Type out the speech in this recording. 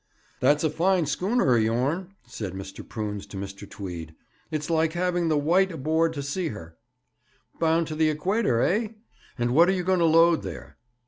'That's a fine schooner of yourn,' said Mr. Prunes to Mr. Tweed. 'It's like having the Wight aboard to see her. Bound to the Equator, eh? And what are you going to load there?'